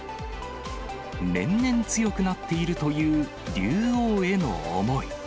年々強くなっているという竜王への思い。